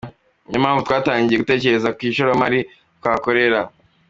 Niyo mpamvu twatangiye gutekereza ku ishoramari twahakorera.